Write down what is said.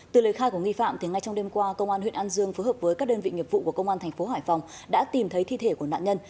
từ lời khai của nghi phạm ngay trong đêm qua công an huyện an dương phối hợp với các đơn vị nghiệp vụ của công an thành phố hải phòng đã tìm thấy thi thể của nạn nhân